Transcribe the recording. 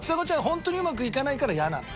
ホントにうまくいかないから嫌なんだ？